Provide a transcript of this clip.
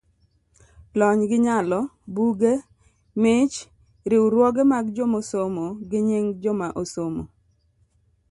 lony gi nyalo, buge, mich, riwruoge mag joma osomo, gi nying joma osomo